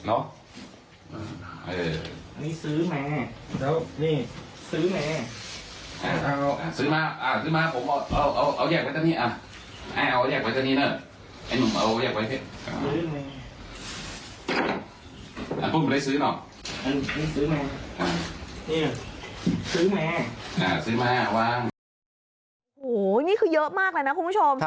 โอ้โหนี่คือเยอะมากเลยนะคุณผู้ชม